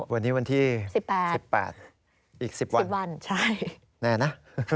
วันนี้วันที่๑๘อีก๑๐วันแน่นะ